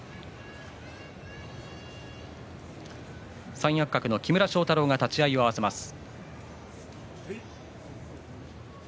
三役格の木村庄太郎が立ち合いを合わせます。